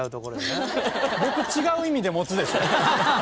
僕違う意味で持つでしょ！